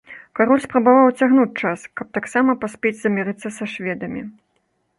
Кароль спрабаваў адцягнуць час, каб таксама паспець замірыцца са шведамі.